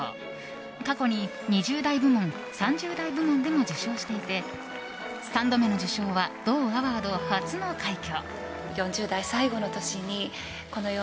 過去に２０代部門３０代部門でも受賞していて３度目の受賞は同アワード初の快挙。